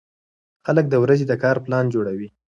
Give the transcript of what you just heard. خلک د ورځې د کار پلان جوړوي